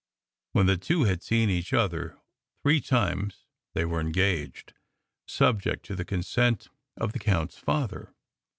When the two had seen each other three times they were engaged, subject to the consent of the count s father.